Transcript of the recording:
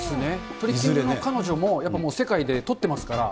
トリッキングの彼女もやっぱもう、世界でとってますから。